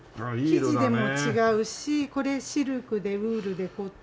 生地でも違うしこれシルクでウールでコットン。